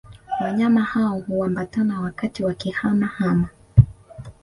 Wanyama hao huambatana wakati wa kihama hama